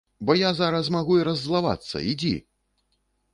Бо я зараз магу і раззлавацца, ідзі!